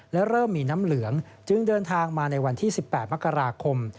และเริ่มมีน้ำเหลืองจึงเดินทางมาในวันที่๑๘มกราคม